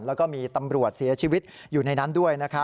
แล้วก็มีตำรวจเสียชีวิตอยู่ในนั้นด้วย